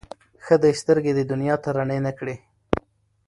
ښه دی سترګي دي دنیا ته روڼي نه کړې